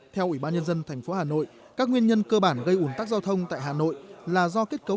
theo ủy ban nhân dân tp hà nội các nguyên nhân cơ bản gây ủn tắc giao thông tại hà nội là do kết cấu